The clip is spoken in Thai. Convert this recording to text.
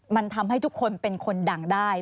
มันทำให้ทุกคนเป็นคนดังได้